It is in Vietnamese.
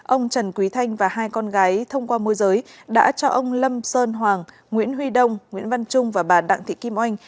ông trần quý thanh và hai con gái thông qua môi giới đã cho ông lâm sơn hoàng nguyễn huy đông nguyễn văn trung và bà đặng thị kim oanh